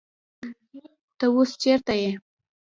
تۀ اوس چېرته يې ؟